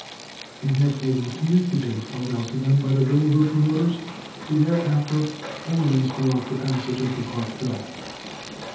They therefore refused the bait held out to them by the railroad promoters, who thereafter always blocked the passage of the Park bill.